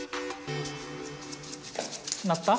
鳴った？